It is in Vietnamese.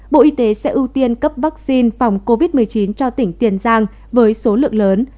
bộ y tế sẽ ưu tiên cấp vaccine phòng covid một mươi chín cho tỉnh tiền giang với số lượng lớn